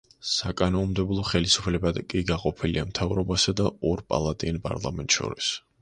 საკანონმდებლო ხელისუფლება კი გაყოფილია მთავრობასა და ორპალატიან პარლამენტს შორის.